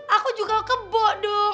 aku juga kebo dong